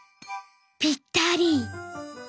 「ぴったり！」。